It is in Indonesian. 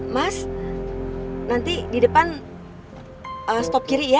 mas nanti di depan stop kiri ya